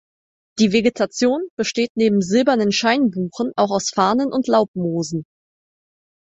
Die Vegetation besteht neben silbernen Scheinbuchen auch aus Farnen und Laubmoosen.